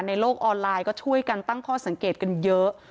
ในโลกออนไลน์ก็ช่วยกันตั้งข้อสังเกตกันเยอะ